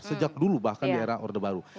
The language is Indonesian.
sejak dulu bahkan di era orde baru